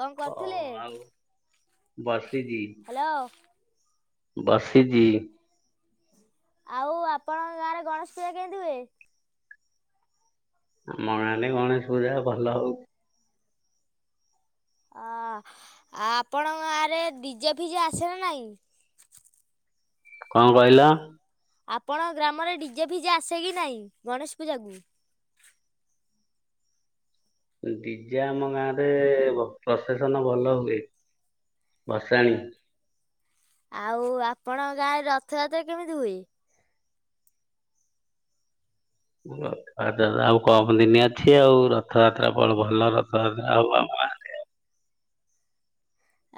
କଣ କରିଥିଲେ? ବସିଚି ହାଲୋ ବସିଚି। ଆଉ ଆପଣଙ୍କ ଗାଁ ରେ ଗଣେଶ ପୂଜା କେମିତି ହୁଏ? ଆମ ଗାଁ ରେ ଗଣେଶ ପୂଜା ଭଲ ହଉ ଆ ଆପଣଙ୍କ ଆରେ ଡିଜେ ଫିଜେ ଆସେ ନା ନାଇଁ? କଣ କହିଲ? ଆପଣଙ୍କ ଗ୍ରାମରେ ଡିଜେ ଫିଜେ ଆସେ କି ନାହିଁ, ଗଣେଶ ପୂଜାକୁ? ଡିଜେ ଆମ ଗାଁ ରେ ପ୍ରସେଶନ ଭଲ ହୁଏ। ଭଶାଣି ଆଉ ଆପଣଙ୍କ ଗାଁରେ ରଥଯାତ୍ରା କେମିତି ହୁଏ? ଆଉ କମ ଦିନି ଅଛି ଆଉ ରଥଯାତ୍ରା ଭଲ ରଥଯାତ୍ରା ହଉ ଆମ ଗାଁ।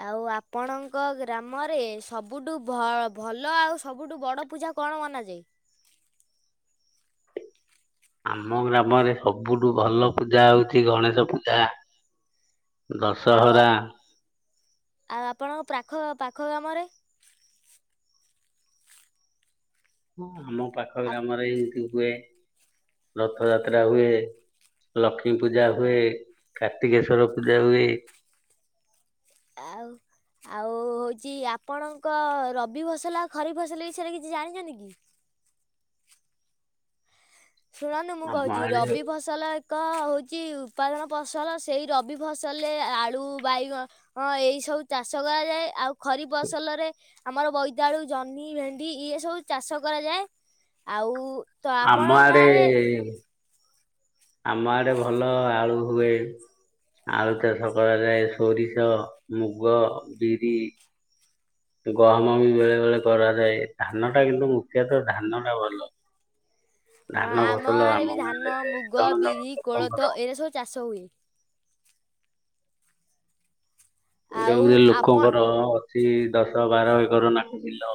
ଆଉ ଆପଣଙ୍କ ଗ୍ରାମରେ ସବୁଠୁ ଭଲ ଆଉ ସବୁଠୁ କଣ ମନାଯାଏ? ଆମ ଗ୍ରାମରେ ସବୁଠୁ ଭଲ ପୂଜା ହଉଛି ଗଣେଶ ପୂଜା। ଆଉ ଦଶହରା ଆଉ ଆପଣଙ୍କ ପାଖ, ପାଖ ଗାମରେ ହଁ ଆମ ପାଖ ଆପ- ଗ୍ରାମରେ ଏମିତି ହୁଏ, ରଥଯାତ୍ରା ହୁଏ। ଲକ୍ଷ୍ମୀ ପୂଜା ହୁଏ, କାର୍ତ୍ତିକେଶ୍ଵର ପୂଜା ହୁଏ। ଆଉ ଆଉ ହେଉଛି ଆପଣଙ୍କ ରବି ଫସଲ ଖରିଫ ଫସଲ ବିଷୟରେ କିଛି ଜାଣିଛନ୍ତି କି? ଶୁଣନ୍ତୁ ମୁଁ ଆମ କହୁଛି ଆଡେ ରବି ଫସ ଫସଲ ଏକ ହେଉଛି ଉତ୍ପାଦନ ପସଲ। ସେଇ ରବି ଫସଲରେ ଆଳୁ, ବାଇଗ ହଁ ଏଇ ସବୁ ଚାଷ କରାଯାଏ ଆଉ ଖରିପ ପସଲରେ ଆମର ବୋଇତାଳୁ, ଜହ୍ନି, ଭେଣ୍ଡି ଇଏ ସବୁ ଚାଷ କରାଯାଏ ଆଉ ତ ଆପଣ ଏଁ ଆମ ଆଡେ ଭଲ ଆଳୁ ହୁଏ। ଆଳୁ ଚାଷ କରାଯାଏ ସୋରିଷ, ମୁଗ, ବିରି ଗହମ ବି ବେଳେ ବେଳେ କରାଯାଏ ଧାନ ଟା କିନ୍ତୁ ମୁଖ୍ୟତଃ ଧାନ ଟା ଭଲ। ହଁ ଧାନ ଆମ ଫସଲ ଗାଁରେ ବି ଧାନ, ମୁଗ, ଜଣ ଜଣ ବିରି, ଲୋକଙ୍କର କୋଳଥ ଏଇରା ସବୁ ଚାଷ ହୁଏ। ଗୁରେ ଆଉ ଗୁରେ ଆପଣ ଲୋକଙ୍କର ଅଛି ଦଶ ବାର ଏକର ନାଖେ ବିଲ।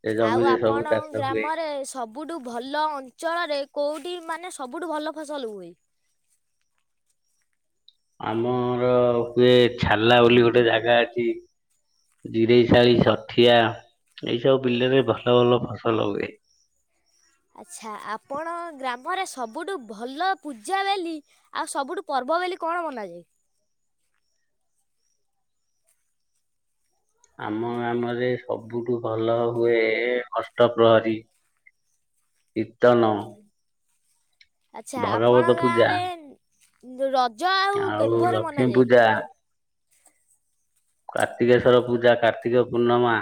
ସେ ଆଉ ଜମିରେ ସବୁ ଆପଣ ଚାଷ ହୁଏ। ଗ୍ରାମରେ ସବ ସବୁଠୁ ଭଲ ଅଞ୍ଚଳରେ କୋଉଠି ମାନେ ସବୁଠୁ ଭଲ ଫସଲ ହୁଏ। ଆମର ହୁଏ ଛାଲା ବୋଲି ଗୋଟେ ଜାଗା ଅଛି। ଜିରେଇଶାଳି, ସଠିଆ ଏଇ ସବୁ ବିଲରେ ଭଲ ଭଲ ଫସଲ ହୁଏ। ଆଚ୍ଛା ଆପଣ ଗ୍ରାମରେ ସବୁଠୁ ଭଲ ପୂଜା ବାଲି ଆଉ ସବୁଠୁ ପର୍ବ ବୋଲି କଣ ମନାଯାଏ? ଆମ ଗ୍ରାମରେ ସବୁଠୁ ଭଲ ହୁଏ, ଅଷ୍ଟପ୍ରହରୀ। ଇତନ। ଆଚ୍ଛା ଆପଣ ପୂଜା ଗାଁରେ ରଜ ଆଉ କେପରି ଲକ୍ଷ୍ମୀ ମନାଯାଏ? ପୂଜା କାର୍ତ୍ତିକେଶ୍ୱର ପୂଜା କାର୍ତ୍ତିକ ପୂର୍ଣ୍ଣମା।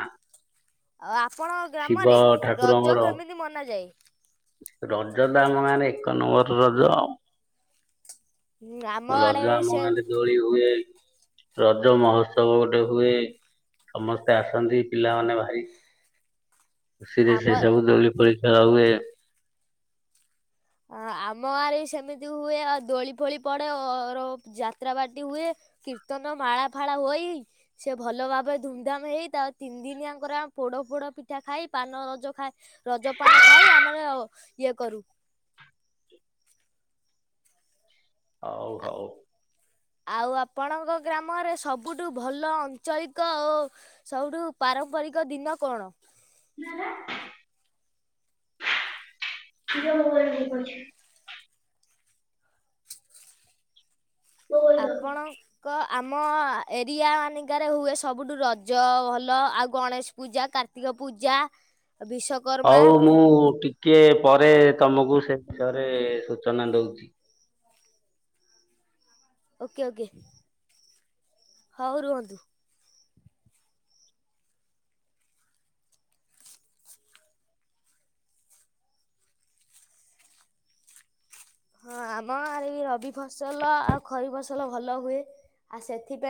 ଆଉ ଆପଣଙ୍କ ଶିବ ଗ୍ରାମରେ ରଜ ଠାକୁରଙ୍କର କେମିତି ମନାଯାଏ? ରଜ ତ ଆମ ମାନେ ଏକ ନମ୍ବର ରଜ ଆଉ। ଉଁ, ଆମ ରଜ ଆଡ଼େ ଆମ ସେ ଗାଁରେ ଦୋଳି ହୁଏ। ରଜ ମହୋତ୍ସବ ଗୋଟେ ହୁଏ ସମସ୍ତେ ଆସନ୍ତି ପିଲାମାନେ ଭାରି ଖୁସିରେ ସେ ଆମ ସବୁ ଦୋଳି ଫୋଳି ଖେଳ ହୁଏ। ଆ ଆମ ଗାଁରେ ବି ସେମିତି ହୁଏ ଆଉ ଦୋଳି ଫୋଳି ପଡେ ଅ ଅରୋଫ ଯାତ୍ରା ବାଟି ହୁଏ। କୀର୍ତ୍ତନ ମାଳା ଫାଳା ହୋଇ ସେ ଭଲ ଭାବରେ ଧୁମଧାମ ହେଇ ତା ତିନି ଦିନି ଆଙ୍କର ପୋଡ ପୋଡ ପିଠା ଖାଇ ପାନ ରଜ ଖାଏ ରଜପାନ ଖାଇ ଆମର ଇଏ କରୁ। ହଉ ହଉ। ଆଉ ଆପଣଙ୍କ ଗ୍ରାମରେ ସବୁଠୁ ଭଲ ଅଞ୍ଚଳିକ ଓ ସବୁଠୁ ପାରମ୍ପରିକ ଦିନ କଣ? ହଉ ଆପଣଙ୍କ ଆମ ଏରିଆ ମାନିଙ୍କାରେ ହୁଏ ସବୁଠୁ ରଜ ଭଲ ଆଉ ଗଣେଶ ପୂଜା କାର ର୍ତ୍ତିକ ପୂଜା ଆ ବିସ ହଉ ମୁଁ ଟିକେ ପରେ ତମକୁ ସେ ବିଷୟରେ ସୂଚନା ଦଉଛି। Okay okay. ହଉ ରୁହନ୍ତୁ। ହଁ ଆମ ଆରେ ରବି ଫସଲ ଆଉ ଖରିଫ ଫସଲ ଭଲ ହୁଏ ଆଉ ସେଥିପାଇଁ